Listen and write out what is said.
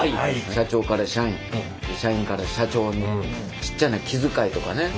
社長から社員社員から社長にちっちゃな気遣いとかね